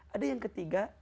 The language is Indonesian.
ada yang ketiga